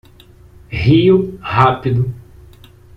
Rio rápido